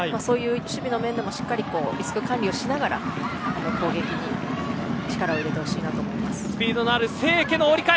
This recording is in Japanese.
守備の面でもしっかりリスク管理しながら攻撃に力を入れてほしいなと思います。